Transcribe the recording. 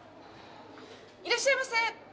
いらっしゃいませ。